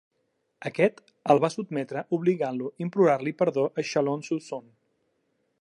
Aquest el va sotmetre obligant-lo implorar-li perdó en Chalon-sur-Saône.